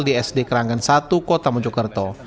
di sd keranggan satu kota mojokerto